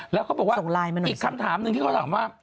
แล้วเขาบอกว่าอีกคำถามหนึ่งที่เขาถามว่า